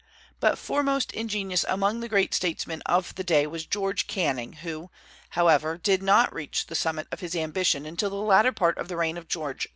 But foremost in genius among the great statesmen of the day was George Canning, who, however, did not reach the summit of his ambition until the latter part of the reign of George IV.